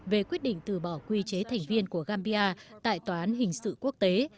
về quyết định từ bỏ quy chế thành viên của gambia tại tòa án hình sự quốc tế